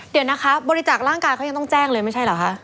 เดี๋ยวนะคะบริจาคร่างกายเขายังต้องแจ้งเลยไม่ใช่เหรอคะ